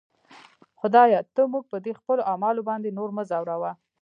خدایه! ته موږ په دې خپلو اعمالو باندې نور مه ځوروه.